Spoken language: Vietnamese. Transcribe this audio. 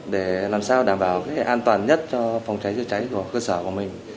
để làm sao đảm bảo an toàn nhất cho phòng cháy chữa cháy của cơ sở của mình